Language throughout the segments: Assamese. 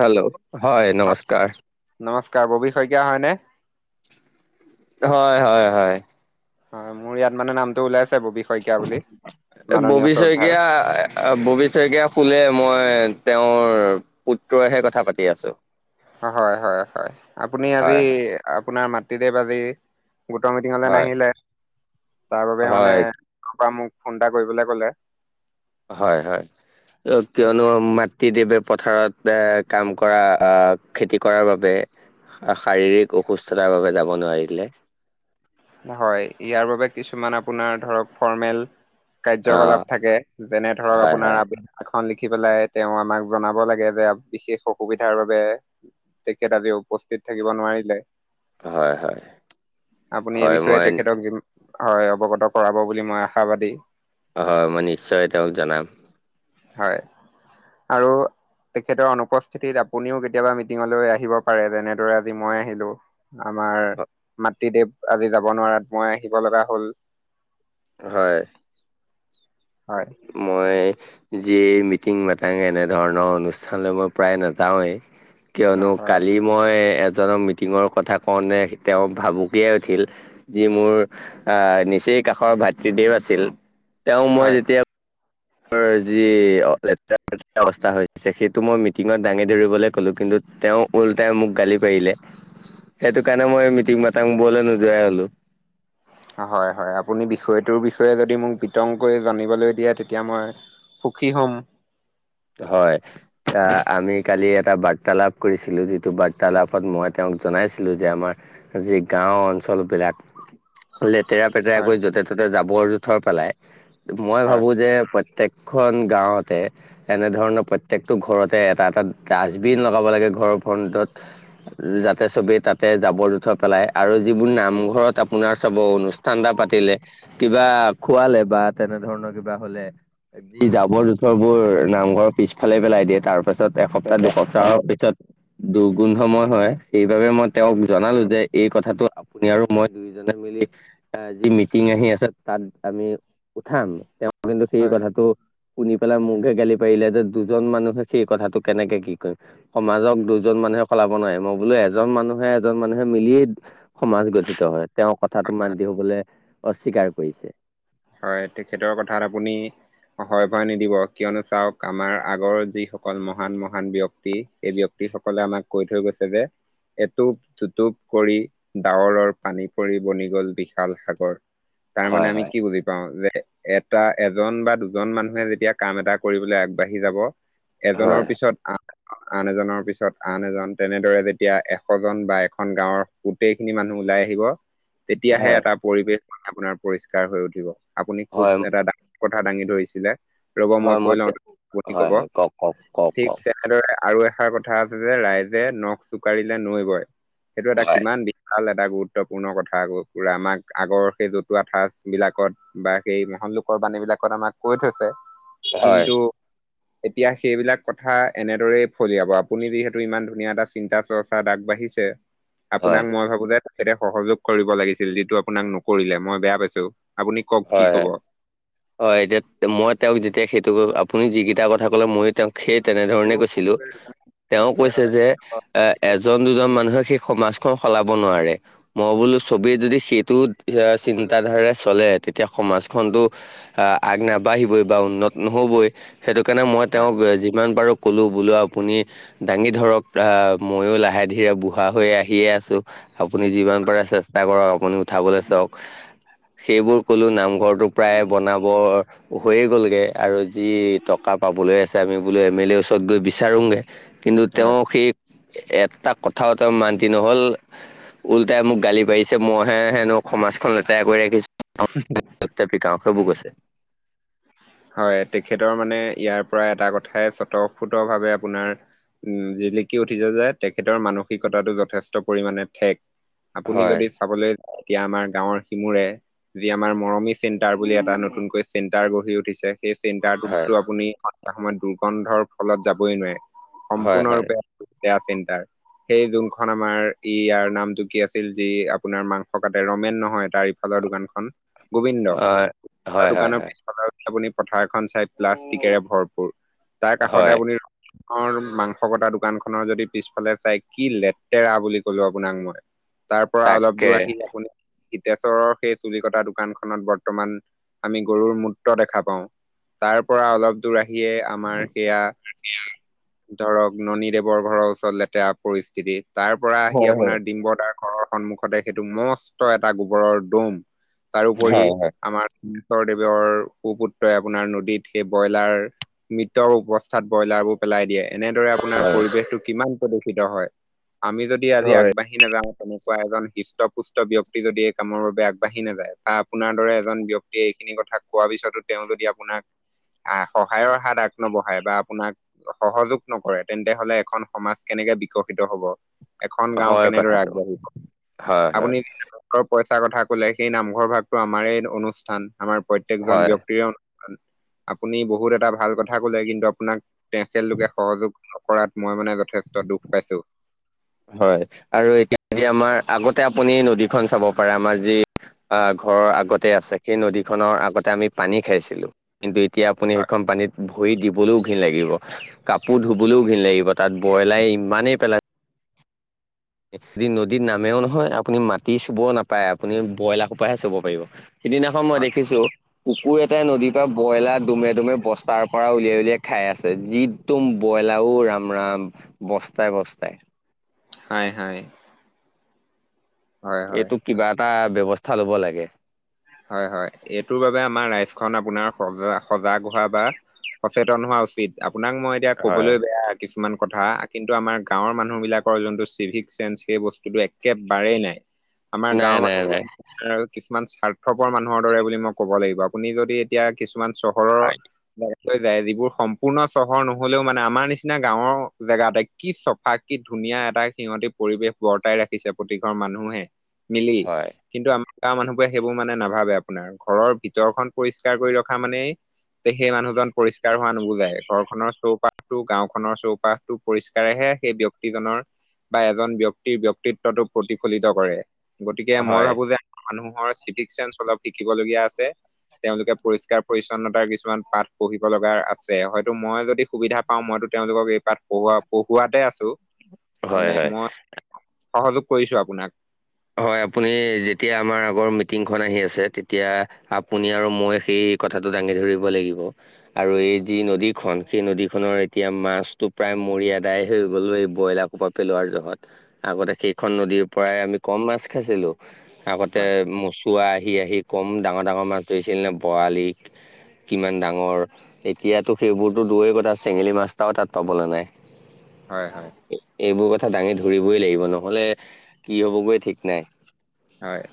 হেল্ল' হয় নমস্কাৰ। নমস্কাৰ ববি শইকীয়া হয়নে? হয় -হয়- হয়। হয় মোৰ ইয়াত মানে নামটো ওলাইছে ববি শইকীয়া বুলি। এই মাননীয় ববি শ্ৰদ্ধাৰ। শইকীয়া ববি শইকীয়া শুলে, মই তেওঁৰ পুত্ৰইহে কথা পাতি আছোঁ। হয়, হয়, হয়, আপুনি আজি হয় আপোনাৰ মাতৃদেৱ আজি গোটৰ মিটিঙলৈ হয় নাহিলে। তাৰ বাবে মানে হয় তোৰ পৰা মোক ফোন এটা কৰিবলে ক'লে। হয়, হয়। কিয়নো মাতৃদেৱে পথাৰত এ, কাম কৰা আহ, খেতি কৰাৰ বাবে শাৰীৰিক অসুস্থতাৰ বাবে যাব নোৱাৰিলে। হয় ইয়াৰ বাবে কিছুমান আপোনাৰ ধৰক ফৰ্মেল অ কাৰ্যকলাপ থাকে যেনে ধৰক হয় আপোনাৰ হয় আৱে এখন লিখি পেলাই তেওঁ আমাক জনাব লাগে যে বিশেষ অসুবিধাৰ বাবে তেখেত আজি উপস্থিত থাকিব নোৱাৰিলে। হয়, হয়। আপুনি এই হয় বিষয়ে মই তেখেতক যি হয় অৱগত কৰাব বুলি মই আশাবাদী। হয় মই নিশ্চয় তেওঁক জনাম। হয় আৰু তেখেতৰ অনুপস্থিতিত আপুনিও কেতিয়াবা মিটিঙলৈ আহিব পাৰে, যেনেদৰে আজি মই আহিলোঁ। আমাৰ মাতৃদেৱ আজি যাব নোৱাৰাত মই আহিব লগা হ'ল। হয় হয় মই যিয়ে মিটিং মাটাং এনেধৰণৰ অনুষ্ঠানলৈ মই প্ৰায় নাযাওঁৱে। কিয়নো হয় কালি মই এজনক মিটিঙৰ কথা কওঁতে তেওঁ ভাবুকিয়াই উঠিল। যি মোৰ আহ, নিচেই কাষৰ ভাতৃদেৱ আছিল, তেওঁ মই হয় যেতিয়া যি লেতেৰা অৱস্থা হৈছে সেইটো মই মিটিঙত দাঙি ধৰিবলৈ ক'লো কিন্তু তেওঁ ওল্টাই মোক গালি পাৰিলে, সেইটো কাৰণে মই মিটিং মাটাংবোৰলৈ নোযোৱাই হ'লো। হয়, হয় আপুনি বিষয়টোৰ বিষয়ে যদি মোক বিতংকৈ জানিবলৈ দিয়ে তেতিয়া মই সুখী হম। হয়। আহ, আমি কালি এটা বাৰ্তালাপ কৰিছিলো যিটো বাৰ্তালাপত মই তেওঁক জনাইছিলো যে আমাৰ যি গাও অঞ্চল বিলাক লেতেৰা পেতেৰা হয় কৰি য'তে ত'তে জাবৰ জোথৰ পেলাই, মই হয় ভাবো যে প্ৰত্যেক খন গাঁৱতে এনেধৰণৰ প্ৰত্যেকটো ঘৰতে এটা এটা ডাষ্টবিন লগাব লাগে ঘৰৰ ফ্ৰণ্টত। যাতে চবেই তাতে জাবৰ জোথৰ পেলাই আৰু যিবোৰ নামঘৰত আপোনাৰ চব অনুষ্ঠান ঠাণ্ডা পাতিলে, কিবা খোৱালে বা তেনে ধৰণৰ কিবা হলে। যি জাবৰ জোথৰবোৰ নামঘৰৰ পিছফালে পেলাই দিয়ে তাৰ পাছত এসপ্তাহ দুসপ্তাহৰ পিছত দুৰ্গোন্ধময় হয় সেইবাবে মই হয় তেওঁক জনালো যে এই কথাটো আপুনি আৰু মই দুইজনে মিলি যি মিটিং আহি আছে তাত উঠাম। কিন্তু সেই হয় কথাটো শুনি পেলাই মোক হে গালি পাৰিলে যে দুজন মানুহে সেই কথাটো কেনেকে কি কৰিম সমাজক দুজন মানুহে সলাব নোৱাৰে মই বোলো এজন মানুহে এজন মানুহে মিলিয়েই সমাজ গঠিত হয়, তেওঁৰ কথাটো মান্ত হবলৈ অস্বীকাৰ কৰিছে। হয়, তেখেতৰ কথাত আপুনি হয় ভয় নিদিব কিয়নো চাওক আমাৰ আগৰ যিসকল মহান মহান ব্যক্তি এই ব্যক্তি সকলে আমাক কৈ থৈ গৈছে যে, এটোপ দুটোপ কৰি ডাৱৰৰ পানী পৰি বনি গল বিশাল সাগৰ তাৰ হয় মানে আমি হয় কি বুজি পাওঁ যে এটা এজন বা দুজন মানুহে যেতিয়া কাম এটা কৰিবলৈ আগবাঢ়ি যাব। এজনৰ হয় পিছত আহ, আন এজনৰ পিছত আন এজন তেনেদৰে যেতিয়া এশ জন বা এখন গাঁৱৰ গোটেই খিনি মানুহ ওলাই আহিব। তেতিয়াহে হয় এটা পৰিবেশ আপোনাৰ পৰিষ্কাৰ হৈ উঠিব, আপুনি হয় খুব এটা কথা দাঙি ধৰিছিলে ৰব মই হয় কৈ লওঁ হয় আপুনি কব হয় কওক কওক কওক ঠিক কওক তে এনেদৰে আৰু এষাৰ কথা আছে যে ৰাইজে নখ জোকাৰিলে নৈ বয়। সেইটো এটা হয় কিমান ভাল এটা গুৰুত্বপূৰ্ণ কথা পুৰা আমাক আগৰ সেই জতুৱা ঠাঁচ। বিলাকত বা সেই মহৎ লোকৰ বাণী বিলাকত আমাক কৈ থৈছে হয় কিন্তু এতিয়া সেইবিলাক কথা এনেদৰেই ফলিয়াব আপুনি যিহেতু ইমান ধুনীয়া এটা চিন্তা চৰ্চ তাত আগবাঢ়িছে, আপোনাক হয় মই ভাবো যে তেখেতে সহযোগ কৰিব লাগিছিল যিটো আপোনাক নকৰিলে মই বেয়া পাইছো। আপুনি কওক কি হয় হয় কব। হয় এতিয়া মই তেওঁক যেতিয়া সেইটো কৰো আপুনি যিকেইটা কথা কলে মইয়ো তেওঁক সেই তেনেধৰণে কৈছিলো তেওঁ কৈছে যে এ এজন দুজন মানুহে সেই সমাজখন সলাব নোৱাৰে। মই বোলো ছবি যদি সেইটো চিন্তাধাৰাৰে চলে, তেতিয়া সমাজখনতো আগ নাবাঢ়িবই বা উন্নত নহ'বই। সেইটো কাৰণে মই হয় তেওঁক যিমান পাৰো ক'লো বোলো আপুনি দাঙি ধৰক আহ মইও লাহে ধীৰে বুঢ়া হৈ আহিয়ে আছো। আপুনি যিমান পাৰে চেষ্টা কৰক আপুনি উঠাবলৈ চাওক সেইবোৰ। ক'লো নামঘৰটো প্ৰায় বনাব। হৈয়ে গ'লগে আৰু যি টকা পাবলৈ আছে আমি বোলো এম এল এৰ ওচৰত গৈ বিচাৰোগে কিন্তু হয় তেওঁ সেই এটা কথাও তেওঁ মান্তি নহল। উলটাই মোক গালি পাৰিছে, মইহে হেনো সমাজখন লেতেৰা কৰি ৰাখিছো। [unintelligible] প্ৰতাপ কাও সেইবোৰ কৈছে। হয় তেখেতৰ মানে, ইয়াৰ পৰা এটা কথাই স্বতঃফুতভাৱে আপোনাৰ উম জিলিকি উঠিছে যায়, তেখেতৰ মানসিকতাটো যথেষ্ট পৰিমাণে ঠেক। আপুনি হয় যদি চাবলৈ এতিয়া আমাৰ গাঁৱৰ সিমুৰে, যি আমাৰ মৰমি চেণ্টাৰ বুলি এটা নতুনকৈ চেণ্টাৰ গঢ়ি উঠিছে। সেই হয় চেণ্টাৰটোতো আপুনি সময়ত দুৰ্গন্ধৰ ফলত যাবই নোৱাৰে, হয় হয় সম্পূৰ্ণৰূপে বেয়া চিন্তাৰ সেই যোনখন আমাৰ ই ইয়াৰ নামটো কি আছিল, যি আপোনাৰ মাংস কাট ৰমেন নহয় তাৰ ফালৰ দোকান খন, গোবিন্দ অ হয় হয় দোকানৰ হয় পিছ আপুনি পথাৰ এখন চাই প্লাষ্টিকেৰে ভৰপূুৰ, তাৰ কাষতে হয় আপুনি ঘৰৰ মাংস কটা দোকান খনৰ যদি পিছফালে চাই কি লেতেৰা বুলি কলো আপোনাক মই। তাৰপৰা অলপ তাকে দূৰ আহি আপুনি হিতেশ্বৰৰ সেই চুলি কটা দোকানখননত বৰ্তমান, আমি গৰুৰ মুঠ দেখা পাওঁ, তাৰ পৰা অলপ দূৰ আহিয়ে আমাৰ সেয়া এয়া ধৰক ননী দেৱৰ ঘৰৰ ওচৰত লেতেৰা পৰিস্থিতি, তাৰ পৰা আহি হয় হয় আপোনাৰ ডিম্বদাৰ ঘৰৰ সন্মুখতে সেইটো মস্ত এটা গোবৰৰ দোম, তাৰোপৰি হয় আমাৰ গেশ্বৰদেৱৰ সুপুত্ৰই আপোনাৰ নদীত সেই ব্ৰইলাৰ মিটৰ অৱস্থাত ব্ৰইলাৰ বোৰ পেলাই দিয়ে এনেদৰে আপোনাৰ হয় পৰিৱেশটো কিমান প্ৰদূষিত হয়, আমি যদি আজি হয় আগবাঢ়ি নাযাওঁ, তেনেকুৱা এজন হিষ্টপুষ্ট ব্যক্তি যদি এই কামৰ বাবে আগ বাঢ়ি নাযায় ত আপোনাৰ দৰে এজন ব্যাক্তিয়ে এইখিনি কথা কোৱাৰ পিছতো তেওঁ যদি আপোনাক সহায়ৰ হাত আগনবঢ়ায় বা আপোনাক সহযোগ নকৰে তেন্তে হলে এখন সমাজ কেনেকে বিকশিত হ'ব। এখন গাওঁ হয় কেনেদৰে কথাটো আগবাঢ়িব, হয় হয় আপুনি ৰ পইচাৰ কথা কলে, সেই নামঘৰ ভাগতটো আমাৰ অনুষ্ঠান, আমাৰ প্ৰত্যেকজন হয় ব্যাক্তিৰে আপুনি বহুত এটা ভাল কথা ক'লে, কিন্তু আপোনাক তেখেতলোকে সহযোগ কৰাত, মই মানে যথেষ্ট দুখ পাইছো। হয়, আৰু এতিয়া য আমাৰ আগতে আপুনি নদীখন চাব পাৰে আমাৰ যি আহ, ঘৰৰ আগতে আছে সেই নদীখনৰ আগতে আমি পানী খাইছিলো, কিন্তু এতিয়া আপুনি সেইখন পানীত ভৰি দিবলৈও ঘিণ লাগিব, কাপোৰ ধুবলৈও ঘিণ লাগিব, তাত ব্ৰইলাৰে ইমানেই পেলাই যদি নদীত নামেও নহয়, আপুনি মাটি চুবও নাপায়, আপুনি ব্ৰইলাৰ সোপাহে চুব পাৰিব। সিদিনাখন মই হয় দেখিছো, কুকুৰ এটা নদীৰ পৰা ব্ৰইলাৰ দুমে দুমে বস্তাৰ পৰা উলিয়াই উলিয়াই খাই আছে, যিদম ব্ৰইলাৰো ৰাম ৰাম। বস্তাই বস্তাই। নাই নাই। হয় এইটোক কিবা এটা ব্যৱস্থা ল'ব লাগে। হয় হয়, এইটোৰ বাবে আমাৰ ৰাইজখন আপোনাৰ সজা সজাগ হোৱা বা সচেতন হোৱা উচিত, আপোনাক মই এতিয়া হয়। কবলৈ বেয়া কিছুমান কথা কিন্তু আমাৰ গাঁৱৰ মানুহবিলাকৰ যোনটো চিভিক চেন্স, সেই বস্তুটো একেবাৰেই নাই। [unintelligible] আমাৰ নাই, গাঁৱৰ নাই, মানুহ নাই। বিলাক, কিছুমান স্বাৰ্থপৰ মানুহৰ দৰে বুলি মই ক'ব লাগিব আপুনি যদি এতিয়া কিছুমান চহৰৰ হয়, লৈ যায় যিবোৰ সম্পূৰ্ণ চহৰ নহলেও মানে, আমাৰ নিচিনা গাঁওৰ জেগা এতে কি চ ফা কি ধুনীয়া এটা সিহঁতি পৰিৱেশ বৰ্তাই ৰাখিছে প্ৰতি ঘৰ মানুহে মিলি হয়, কিন্তু, আমাৰ গাঁৱৰ মানুহবোৰে সেই বোৰ মানে নাভাবে আপোনাৰ ঘৰৰ ভিতৰখন পৰিষ্কাৰ কৰি ৰখা মানে তে সেই মানুহজন পৰিষ্কাৰ হোৱা নুবুজায়, ঘৰখনৰ চৌপাশো গাওখনৰ চৌপাশ টো পৰিষ্কাৰেহে সেই ব্যক্তিজনৰ বা এজন ব্যক্তিৰ ব্যক্তিটো প্ৰতিফলিত কৰে। গতিকে মই হয়। ভাবো যে, আমাৰ মানুহৰ চিভিক চেন্স অলপ শিকিবলগীয়া আছে। তেওঁলোকে পৰিষ্কাৰ পৰিচ্ছন্নতাৰ কিছুমান পাঠ পঢ়িব লগা আছে, হয়তো মই যদি সুবিধা পাওঁ মইতো তেওঁলোকক এই তাত পঢ়োৱা পঢ়োৱাতে আছো হয়, মানে হয়, মই সহযোগ কৰিছো আপোনাক। হয়, আপুনি যেতিয়া আমাৰ আগৰ মিটিংখন আহি আছে তেতিয়া আপুনি আৰু মই সেই কথাটো দাঙি ধৰিব লাগিব। আৰু এই যি নদীখনন সেই নদীখনৰ এতিয়া মাছটো প্ৰায় মৰি আদায় হৈ গ'ল এই ব্ৰইলাৰ সোপা পেলোৱাৰ জহত, আগতে সেইখন নদীৰ পৰাই আমি কম মাছ খাইছিলোঁ, আগতে হয় ম চুৱা আহি আহি কম ডাঙৰ ডাঙৰ মাছ ধৰিছিল নে বৰালি কিমান ডাঙৰ এতিয়াতো সেইবোৰতো দূৰেই কথা চেঙেলী মাছ এটাও তাত পাবলৈ নাই। হয় হয়। এইবোৰ কথা দাঙি ধৰিবই লাগিব ন'হলে, কি হ'ব গৈ ঠিক নাই। হয়।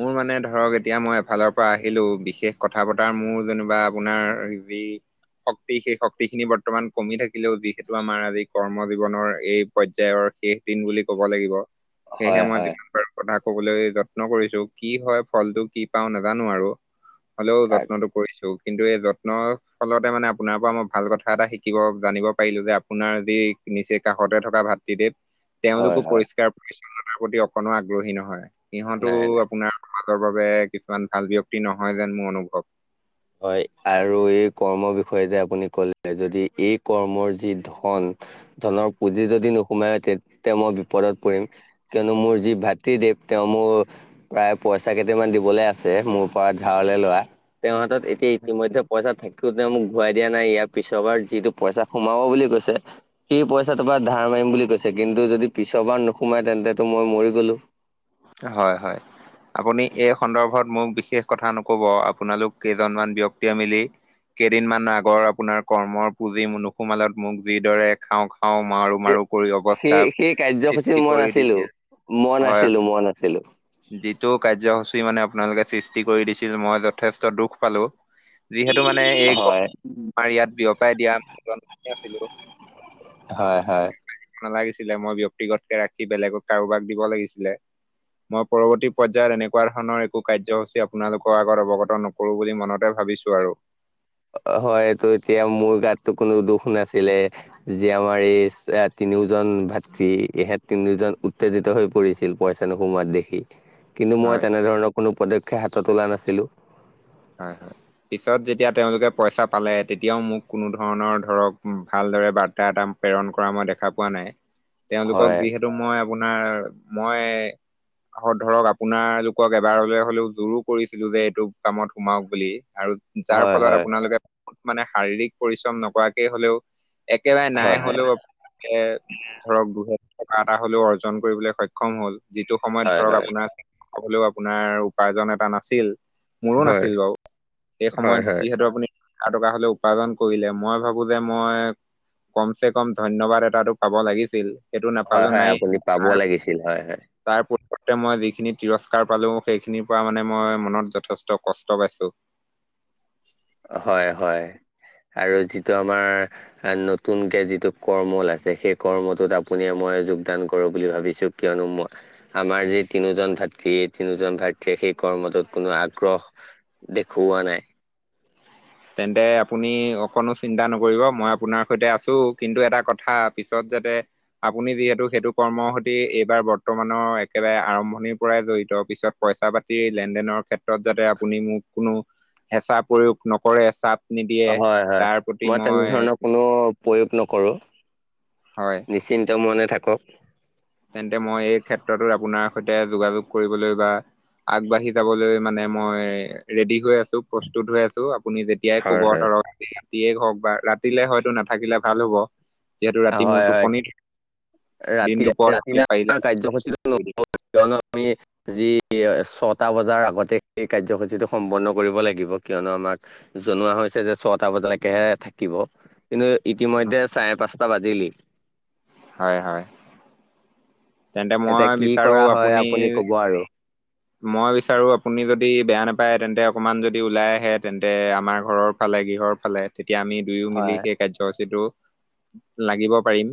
মোৰ মানে ধৰক এতিয়া মই এফালৰ পৰা আহিলো বিশেষ কথা পতাৰ মোৰ যেনিবা আপোনাৰ [unintelligible] শক্তি সেই শক্তি খিনি বৰ্তমান কমি থাকিলেও যিহেতু, আমাৰ আজি কৰ্ম জীৱনৰ এই পৰ্যায়ৰ শেষ দিন বুলি ক'ব লাগিব সেয়েহে, হয় মই হয়। যিমান পাৰো কথা কবলৈ যত্ন কৰিছো কি হয়, ফলটো কি পাওঁ নাজানো আৰু। হ'লেও তাক- যত্নটো কৰিছো কিন্তু এই য্ যত্নৰ ফলতে মানে আপোনাৰ পৰা মই ভাল কথা এটা শিকিব জানিব পাৰিলো যে, আপোনাৰ যি নিছে কাষতে থকা ভাতৃদেৱ। হয় তেওঁলোকো হয় পৰিষ্কাৰ পৰিচ্ছন্নতাৰ প্ৰতি অকনো আগ্ৰহী নহয়, সিহঁতো নাই নাই। আপোনাৰ সমাজৰ বাবে কিছুমান ভাল ব্য্য়ক্তি নহয় যেন মোৰ অনুভৱ। হয় আৰু এই কৰ্মৰ বিষয়ে যে, আপুনি ক'লে যদি এই কৰ্মৰ যি ধন ধনৰ পুঁজি যদি নোসোমায় তেতিয়া মই বিপদত পৰিম। কিয়নো মোৰ যি ভাতৃদেৱ তেওঁ মোৰ প্ৰায় পইচা কেইটামান দিবলে আছে মোৰ পৰা ধাৰলৈ লোৱা তেও হাতত এতিয়া ইতিমধ্যে পইচা থাকো তে মোক ঘূৰাই দিয়া নাই ইয়াৰ পিছৰ বাৰ যিটো পইচা সোমাব বুলি কৈছে। সি পইচাটোৰ পৰা ধাৰ মাৰিম বুলি কৈছে কিন্তু যদি পিছৰবাৰ নোসোমাই তেন্তেটো মই মৰি গ'লো। হয়, হয়। আপুনি এই সন্দৰ্ভত মোক বিশেষ কথা নকব আপোনালোক কেইজনমান ব্য্ক্তিয়ে মিলি কেইদিনমানৰ আগৰ আপোনাৰ কৰ্মৰ পুঁজি নুসুমালত মোক যিদৰে খাওঁ খাওঁ মাৰো এ- মাৰু কৰি সেই অৱস্থা সেই কাৰ্যসূচীত সৃষ্টি মই কৰি নাছিলো দিছিল। মই হয় নাছিলোঁ মই নাছিলোঁ। যিটো কাৰ্যসূচী মানে আপোনালোকে সৃষ্টি কৰি দিছিল মই যথেষ্ট দুখ পালো। যিহেতু মানে এই [unintelligible] হয় আমাৰ ইয়াত বিয়পাই দিয়া মানুহ জন মইয়ে আছিলো। হয়, হয়। নালাগিছিলে। মই ব্যক্তিগতকে ৰাখি বেলেগক কাৰোবাক দিব লাগিছিলে। মই পৰৱৰ্তী পৰ্যায়ত এনেকুৱা ধৰণৰ একো কাৰ্যসূচী আপোনালোকৰ আগত অৱগত নকৰোঁ বুলি মনতে ভাবিছোঁ আৰু। হয়। এতিয়া মোৰ গাততো কোনো দুখ নাছিলে। যি আমাৰ এই তিনিওজন ভাতৃ ইহেত তিনিওজন উত্তেজিত হৈ পৰি ছিল পইছা নোসোমোৱাত দেখি কিন্তু মই হয় তেনেধৰণৰ কোনো পদক্ষেপ হাতত ওলোৱা নাছিলোঁ। হয়, হয়। পিছত যেতিয়া তেওঁলোকে পইচা পালে, তেতিয়াও মোক কোনো ধৰণৰ ধৰক ভালদৰে বাৰ্তা এটা প্ৰেৰণ কৰা মই দেখা পোৱা নাই। তেওঁলোকক হয় যিহেতু মই আপোনাৰ, মই ধৰক আপোনাৰ লোকক এবাৰলৈ হ'লেও জোৰো কৰিছিলোঁ যে এইটো কামত সোমাওক বুলি আৰু যাৰ হয় ফলত হয় আপোনালোকে মানে শাৰীৰিক পৰিশ্ৰম নকৰাকে হ'লেও একেৰাই হয় নাই হয় হ'লেও এ ধৰক, দুহেজাৰ টকা এটা হ'লেও অৰ্জন কৰিবলৈ সক্ষম হ'ল। যিটো সময়ত হয় ধৰক, হয় আপোনাৰ [unintelligible] খাবলৈও আপোনাৰ উপাৰ্জন এটা নাছিল। মোৰো নাছ হয় ছিল বাৰু এই হয় সময়ত, হয় যিহেতু আপুনি এটকা হ'লেও উপাৰ্জন কৰিলে, মই ভাবো যে মই কম চে কম ধন্যবাদ এটাটো পাব লাগিছিল। সেইটো হয় নাপালোঁ হয় নায়ে আপুনি পাব আৰ লাগিছিল হয় হয় তাৰ পট-পটটে মই যিখিনি তিৰস্কাৰ পালোঁ, সেইখিনিৰ পৰা মানে মই মনত যথেষ্ট কষ্ট পাইছোঁ। হয়। হয়। আৰু যিটো আমাৰ নতুনকে যিটো কৰ্মল আছে, সেই কৰ্মটোত আপুনিয়ে মইয়ে যোগদান কৰোঁ বুলি ভাবিছোঁ। কিয়নো মই আমাৰ যি তিনিওজন ভাতৃ, এই তিনিওজন ভাতৃয়ে সেই কৰ্মটোত কোনো আগ্ৰহ দেখুৱা নাই। [inaudible] তেন্তে আপ আপুনি অকণো চিন্তা নকৰিব, মই আপোনাৰ সৈতে আছোঁ। কিন্তু এটা কথা পিছত যাতে আপুনি যিহেতু সেইটো কৰ্মৰ সতী এইবাৰ বৰ্তমানৰ একেবাৰে আৰম্ভণিৰ পৰাই জড়িত। পিছত পইচা-পাত টি লেনদেনৰ ক্ষেত্ৰত যাতে আপুনি মোক কোনো হেঁচা প্ৰয়োগ নকৰে। চাপ নিদিয়ে, হয় হয়। তাৰ প্ৰতি মই তেনেধৰণৰ কোনো প্ৰয়োগ নকৰোঁ। হয়। নিশ্চিন্ত মনে থাকক। তেন্তে মই এই ক্ষেত্ৰতো আপোনাৰ সৈতে যোগাযোগ কৰিবলৈ বা আগবাঢ়ি যাবলৈ মানে মই ৰেডি হৈ আছোঁ। প্ৰস্তুত হৈ আছোঁ। আপুনি যেতিয়া য়াই ক'ব হয় হয়। ধৰক, ৰাতিয়ে হওক বা ৰাতিলে হয়তো নাথাকিলে ভাল হ'ব। যিহেতু ৰাতি মোৰ হয় হয় টোপনি, দিন ৰাতি দুপৰত আমি ৰাতিলে পাৰিলে আমাৰ [unintelligible] [unintelligible] কিয়নো আমি যি ছটা বজাৰ আগতে এই কাৰ্যসূচীটো সম্পন্ন কৰিব লাগিব। কিয়নো আমাক জনোৱা হৈছে যে ছটা বজালৈকেহে থাকিব। কিন্তু ইতিমধ্যে চাৰে পাঁচটা বাজিলি। হয়, হয়। তেন্তে মই এতিয়া কি বিচাৰোঁ কৰা হয় আপুনি কব আৰু [inaudible] মই বিচাৰোঁ আপুনি যদি বেয়া নাপায়, তেন্তে অকণমান যদি ওলাই আহে তেন্তে আমাৰ ঘৰৰ ফালে গৃহৰ চালে, তেতিয়া আমি দুয়ো মিলি হয় সেই কাৰ্যসূচীটো লাগিব পাৰিম।